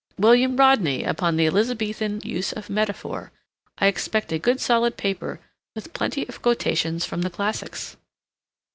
"William Rodney, upon the Elizabethan use of metaphor. I expect a good solid paper, with plenty of quotations from the classics."